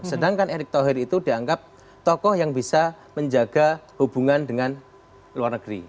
sedangkan erick thohir itu dianggap tokoh yang bisa menjaga hubungan dengan luar negeri